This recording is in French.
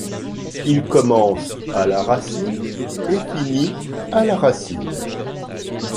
Il commence à la racine et finit à la racine.